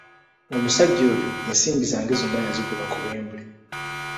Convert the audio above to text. Omusajja oyo ensimbi zange zonna yazikuba ku wembuule.